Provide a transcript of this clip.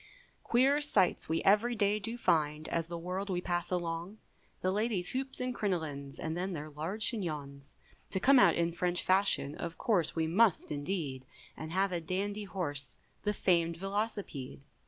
Queer sights we every day do find, As the world we pass along, The ladies hoops and crinolines, And then their large chignons; To come out in French fashion, Of course we must indeed, And have a dandy horse, The famed Velocipede.